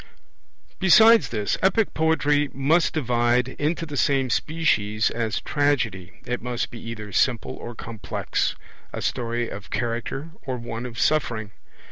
Besides this, Epic poetry must divide into the same species as Tragedy; it must be either simple or complex, a story of character or one of suffering.